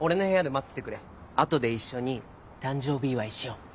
あとで一緒に誕生日祝いしよう。